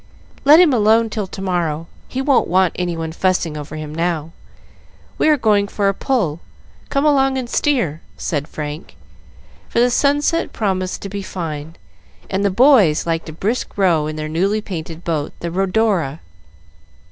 "Let him alone till to morrow. He won't want any one fussing over him now. We are going for a pull; come along and steer," said Frank, for the sunset promised to be fine, and the boys liked a brisk row in their newly painted boat, the "Rhodora."